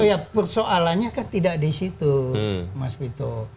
oh ya persoalannya kan tidak di situ mas wito